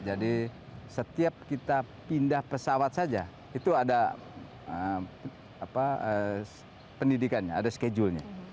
jadi setiap kita pindah pesawat saja itu ada pendidikannya ada schedule nya